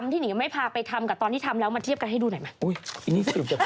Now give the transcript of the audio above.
ถ้าหล่อลนตามและกลายมันเทียบกันไหน